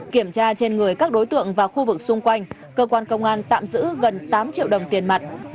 kiểm tra trên người các đối tượng và khu vực xung quanh cơ quan công an tạm giữ gần tám triệu đồng tiền mặt